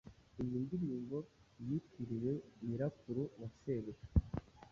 Iyi ndirimbo yitiriwe nyirakuru wa sebuja